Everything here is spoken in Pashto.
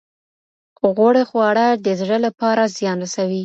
غوړ خواړه د زړه لپاره زیان رسوي.